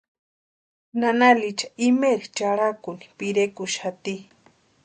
Nana Licha imaeri charhakuni pirekuxati.